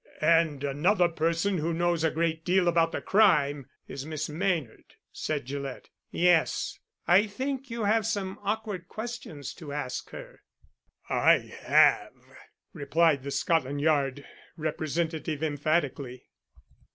"And another person who knows a great deal about the crime is Miss Maynard," said Gillett. "Yes. I think you have some awkward questions to ask her." "I have," replied the Scotland Yard representative emphatically.